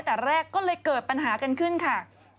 แต่แรกก็เลยเกิดปัญหากันขึ้นค่ะ